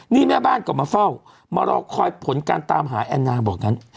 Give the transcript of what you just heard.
นี่แม่บ้านก็มาเฝ้ามารอคอยผลการตามหาแอนนาบอกงั้น